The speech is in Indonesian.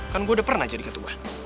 kan gue udah pernah jadi ketua